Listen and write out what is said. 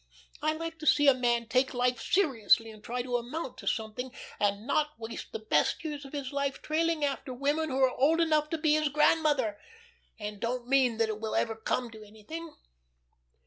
I like to see a man take life seriously and try to amount to something, and not waste the best years of his life trailing after women who are old enough to be his grandmother, and don't mean that it will ever come to anything."